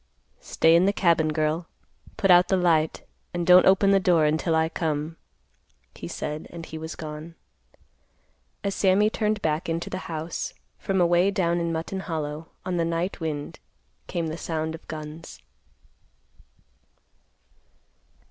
"Stay in the cabin, girl, put out the light, and don't open the door until I come," he said and he was gone. As Sammy turned back into the house, from away down in Mutton Hollow, on the night wind, came the sound of guns.